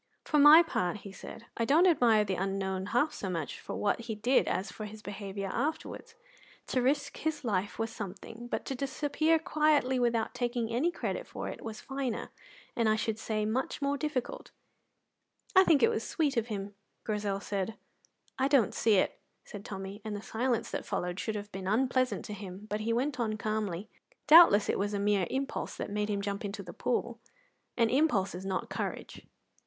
"For my part," he said, "I don't admire the unknown half so much for what he did as for his behaviour afterwards. To risk his life was something, but to disappear quietly without taking any credit for it was finer and I should say much more difficult." "I think it was sweet of him," Grizel said. "I don't see it," said Tommy, and the silence that followed should have been unpleasant to him; but he went on calmly: "Doubtless it was a mere impulse that made him jump into the pool, and impulse is not courage."